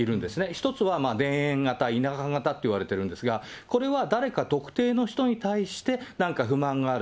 一つは田園型、田舎型といわれているんですが、これは誰か特定の人に対してなんか不満がある。